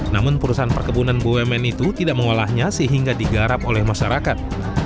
namun perusahaan perkebunan bumn itu tidak mengolahnya sehingga digarap oleh masyarakat